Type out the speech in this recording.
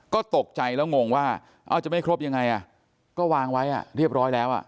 ก็ตกใจแล้วงงว่าเอาจะไม่ครบยังไงอ่ะก็วางไว้เรียบร้อยแล้ว